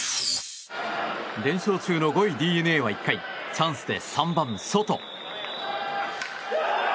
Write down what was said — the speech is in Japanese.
連勝中の５位ＤｅＮＡは１回チャンスで３番、ソト。